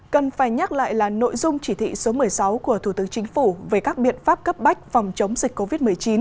cần phải nhắc lại là nội dung chỉ thị số một mươi sáu của thủ tướng chính phủ về các biện pháp cấp bách phòng chống dịch covid một mươi chín